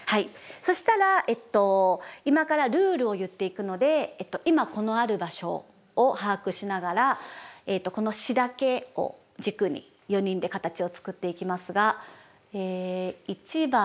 そしたら今からルールを言っていくので今このある場所を把握しながらこの詩だけを軸に４人で形を作っていきますが。